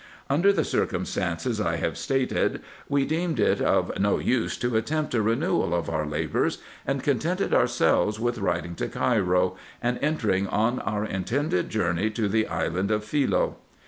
Under the circumstances I have stated, we deemed it of no use to attempt a renewal of our labours, and contented ourselves with writing to Cairo, and entering on our intended journey to the IN EGYPT, NUBIA, &c. 199 island of Philoe.